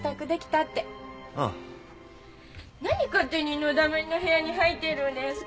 何勝手にのだめの部屋に入ってるんですか？